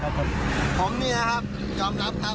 ผมนี่นะครับยอมรับครับ